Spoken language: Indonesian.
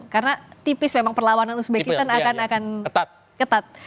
karena tipis memang perlawanan uzbekistan akan ketat